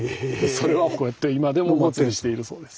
それをこうやって今でもお祀りしているそうです。